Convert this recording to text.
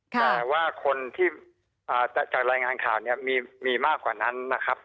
แต่ว่าคนที่จากรายงานข่าวเนี่ยมีมากกว่านั้นนะครับ